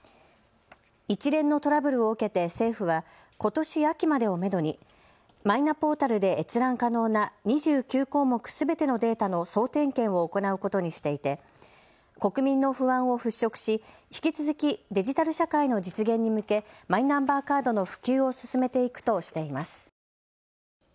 一連のトラブルを受けて政府はことし秋までをめどにマイナポータルで閲覧可能な２９項目すべてのデータの総点検を行うことにしていて国民の不安を払拭し引き続きデジタル社会の実現に向けマイナンバーカードの普及を進めていくとしています。